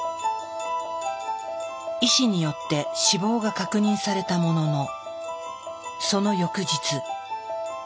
医師によって死亡が確認されたもののその翌日。